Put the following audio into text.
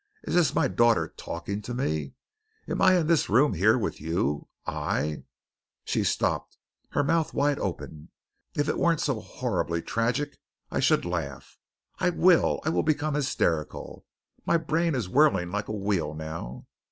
Is this my daughter talking to me? Am I in this room here with you? I." She stopped, her mouth wide open. "If it weren't so horribly tragic, I should laugh. I will! I will become hysterical! My brain is whirling like a wheel now.